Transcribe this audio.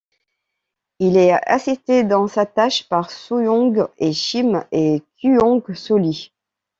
Il est assisté dans sa tâche par Sun-Yung Shim et Kyung-Soo Lee.